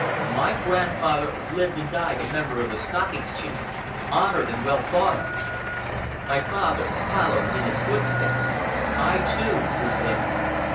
My grandfather lived and died a member of the Stock Exchange, honored and well thought of. My father followed in his footsteps. I, too, was there.